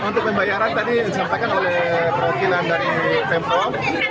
untuk pembayaran tadi disampaikan oleh perwakilan dari pemprov